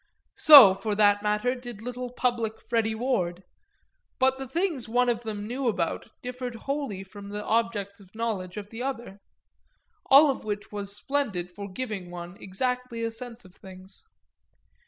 So, for that matter, did little public Freddy Ward; but the things one of them knew about differed wholly from the objects of knowledge of the other: all of which was splendid for giving one exactly a sense of things.